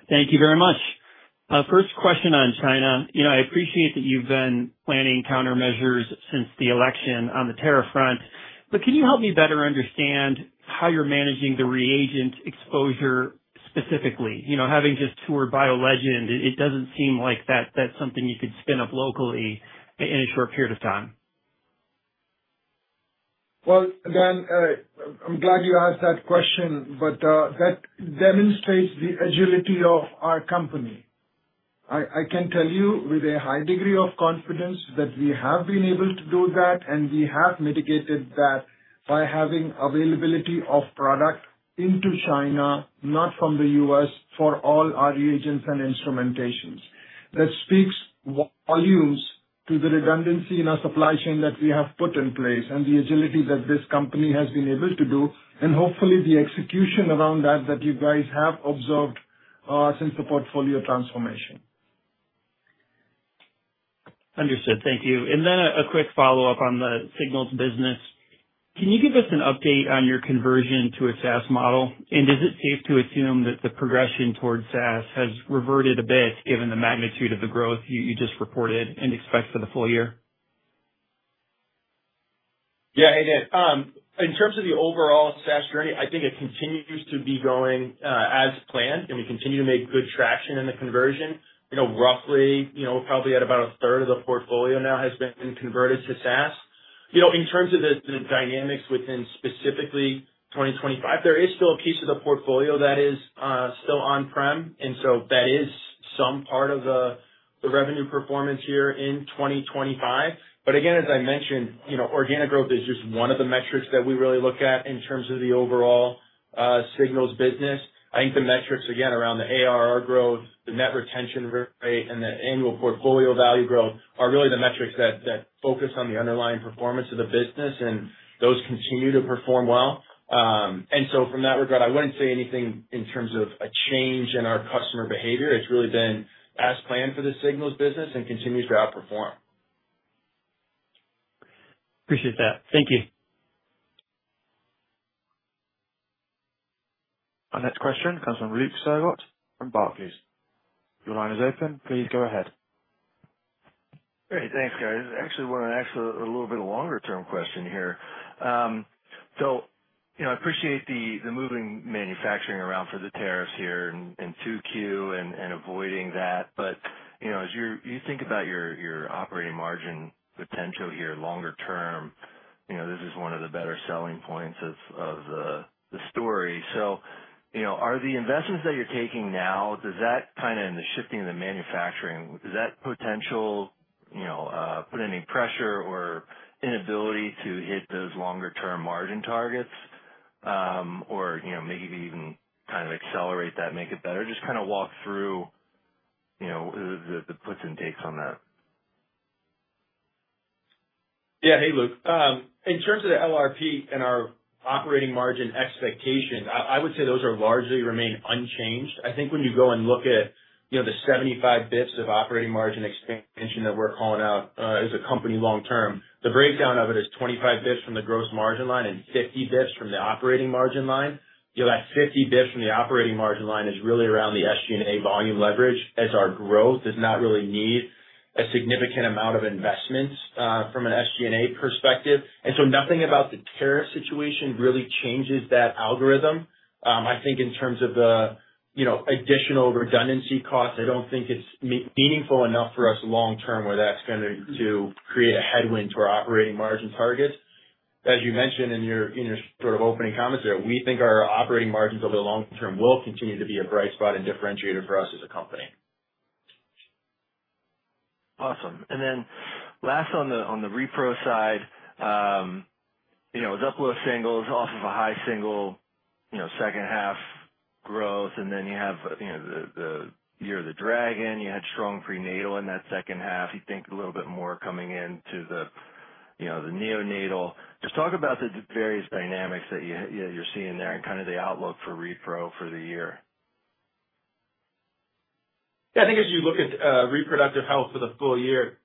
Thank you very much. First question on China. I appreciate that you've been planning countermeasures since the election on the tariff front, but can you help me better understand how you're managing the reagent exposure specifically? Having just toured BioLegend, it doesn't seem like that's something you could spin up locally in a short period of time. Dan, I'm glad you asked that question, but that demonstrates the agility of our company. I can tell you with a high degree of confidence that we have been able to do that, and we have mitigated that by having availability of product into China, not from the U.S., for all our reagents and instrumentations. That speaks volumes to the redundancy in our supply chain that we have put in place and the agility that this company has been able to do, and hopefully the execution around that that you guys have observed since the portfolio transformation. Understood. Thank you. A quick follow-up on the Signals business. Can you give us an update on your conversion to a SaaS model? Is it safe to assume that the progression towards SaaS has reverted a bit given the magnitude of the growth you just reported and expect for the full year? Yeah, it did. In terms of the overall SaaS journey, I think it continues to be going as planned, and we continue to make good traction in the conversion. Roughly, probably at about a third of the portfolio now has been converted to SaaS. In terms of the dynamics within specifically 2025, there is still a piece of the portfolio that is still on-prem, and so that is some part of the revenue performance here in 2025. Again, as I mentioned, organic growth is just one of the metrics that we really look at in terms of the overall Signals business. I think the metrics, again, around the ARR growth, the net retention rate, and the annual portfolio value growth are really the metrics that focus on the underlying performance of the business, and those continue to perform well. From that regard, I would not say anything in terms of a change in our customer behavior. It has really been as planned for the Signals business and continues to outperform. Appreciate that. Thank you. Our next question comes from Luke Sergott from Barclays. Your line is open. Please go ahead. Great. Thanks, guys. Actually, I want to ask a little bit longer-term question here. I appreciate the moving manufacturing around for the tariffs here and to queue and avoiding that. As you think about your operating margin potential here longer term, this is one of the better selling points of the story. Are the investments that you're taking now, does that kind of in the shifting of the manufacturing, does that potential put any pressure or inability to hit those longer-term margin targets or maybe even kind of accelerate that, make it better? Just kind of walk through the puts and takes on that. Yeah. Hey, Luke. In terms of the LRP and our operating margin expectations, I would say those largely remain unchanged. I think when you go and look at the 75 basis points of operating margin expansion that we're calling out as a company long-term, the breakdown of it is 25 basis points from the gross margin line and 50 basis points from the operating margin line. That 50 basis points from the operating margin line is really around the SG&A volume leverage as our growth does not really need a significant amount of investments from an SG&A perspective. Nothing about the tariff situation really changes that algorithm. I think in terms of the additional redundancy costs, I don't think it's meaningful enough for us long-term where that's going to create a headwind to our operating margin targets. As you mentioned in your sort of opening comments there, we think our operating margins over the long term will continue to be a bright spot and differentiator for us as a company. Awesome. Last on the repro side, it was up low singles off of a high single second half growth, and then you have the Year of the Dragon. You had strong prenatal in that second half. You think a little bit more coming into the neonatal. Just talk about the various dynamics that you're seeing there and kind of the outlook for repro for the year. Yeah. I think as you look at reproductive health for the full year,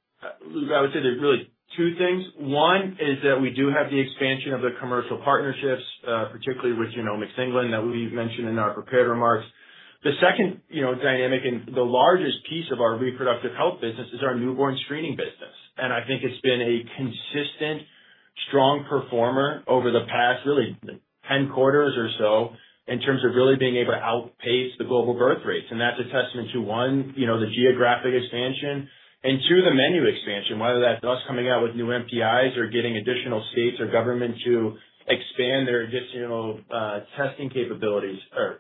Luke, I would say there are really two things. One is that we do have the expansion of the commercial partnerships, particularly with Genomics England that we mentioned in our prepared remarks. The second dynamic and the largest piece of our reproductive health business is our newborn screening business. I think it has been a consistent, strong performer over the past really 10 quarters or so in terms of really being able to outpace the global birth rates. That is a testament to, one, the geographic expansion, and two, the menu expansion, whether that is us coming out with new NPIs or getting additional states or government to expand their additional testing capabilities or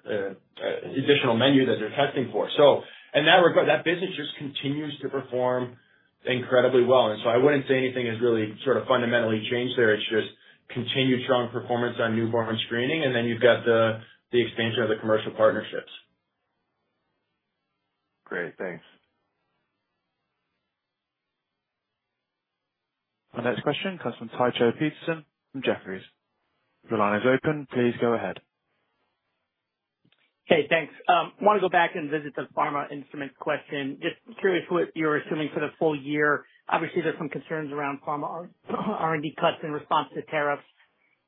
additional menu that they are testing for. That business just continues to perform incredibly well. I would not say anything has really sort of fundamentally changed there. It is just continued strong performance on newborn screening, and then you have got the expansion of the commercial partnerships. Great. Thanks. Our next question comes from Tycho Peterson from Jefferies. Your line is open. Please go ahead. Hey, thanks. I want to go back and visit the pharma instruments question. Just curious what you're assuming for the full year. Obviously, there's some concerns around pharma R&D cuts in response to tariffs.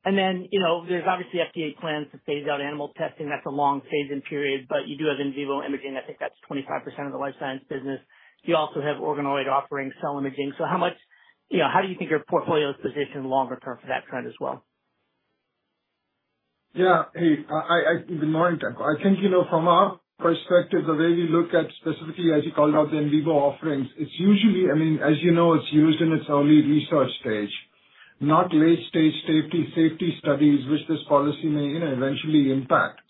There's obviously FDA plans to phase out animal testing. That's a long phase-in period. You do have in vivo imaging. I think that's 25% of the life science business. You also have organoid offering cell imaging. How much do you think your portfolio is positioned longer term for that trend as well? Yeah. Hey, good morning, I think from our perspective, the way we look at specifically, as you called out, the in vivo offerings, it's usually, I mean, as you know, it's used in its early research stage, not late-stage safety studies, which this policy may eventually impact.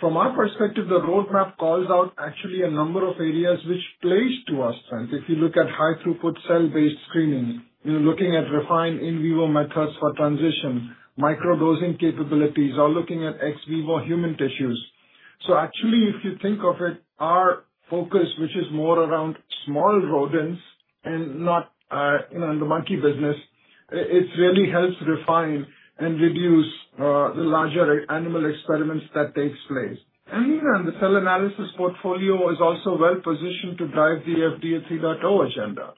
From our perspective, the roadmap calls out actually a number of areas which plays to us strength. If you look at high-throughput cell-based screening, looking at refined in vivo methods for transition, microdosing capabilities, or looking at ex vivo human tissues. Actually, if you think of it, our focus, which is more around small rodents and not the monkey business, it really helps refine and reduce the larger animal experiments that take place. The cell analysis portfolio is also well-positioned to drive the FDA 3.0 agenda.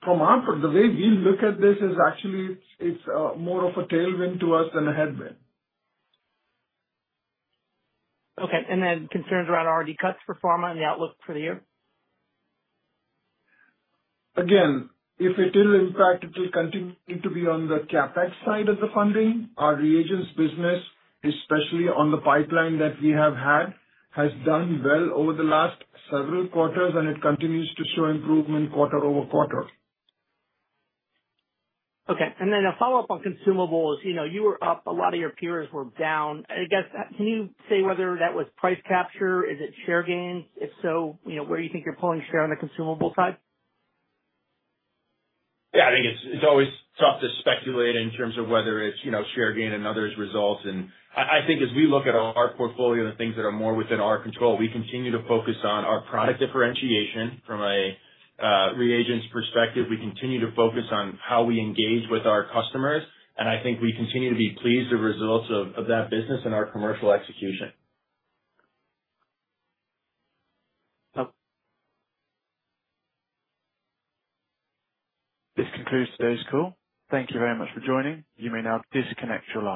From our, the way we look at this is actually it's more of a tailwind to us than a headwind. Okay. Concerns around R&D cuts for pharma and the outlook for the year? Again, if it will impact, it will continue to be on the CapEx side of the funding. Our reagents business, especially on the pipeline that we have had, has done well over the last several quarters, and it continues to show improvement quarter over quarter. Okay. A follow-up on consumables. You were up. A lot of your peers were down. I guess, can you say whether that was price capture? Is it share gains? If so, where do you think you're pulling share on the consumable side? Yeah. I think it's always tough to speculate in terms of whether it's share gain and others' results. I think as we look at our portfolio and the things that are more within our control, we continue to focus on our product differentiation. From a reagent's perspective, we continue to focus on how we engage with our customers. I think we continue to be pleased with the results of that business and our commercial execution. This concludes today's call. Thank you very much for joining. You may now disconnect your line.